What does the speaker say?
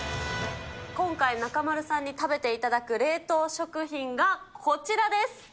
今回、中丸さんに食べていただく冷凍食品がこちらです。